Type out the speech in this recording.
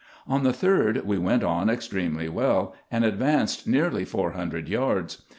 On the 3d we went on extremely well, and advanced nearly four hundred yards.